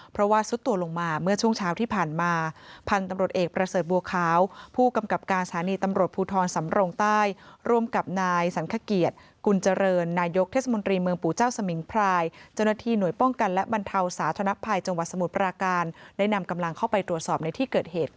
เพราะว่าซุดตัวลงมาเมื่อช่วงเช้าที่ผ่านมาพันธุ์ตำรวจเอกประเสริฐบัวขาวผู้กำกับการสถานีตำรวจภูทรสำรงใต้ร่วมกับนายสันขเกียรติกุญเจริญนายกเทศมนตรีเมืองปู่เจ้าสมิงพรายเจ้าหน้าที่หน่วยป้องกันและบรรเทาสาธนภัยจังหวัดสมุทรปราการได้นำกำลังเข้าไปตรวจสอบในที่เกิดเหตุ